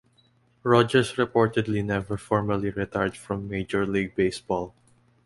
Rogers reportedly never formally retired from Major League Baseball.